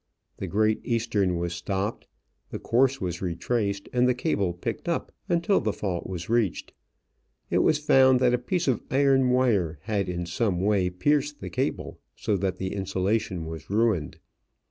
The Great Eastern was stopped, the course was retraced, and the cable picked up until the fault was reached. It was found that a piece of iron wire had in some way pierced the cable so that the insulation was ruined.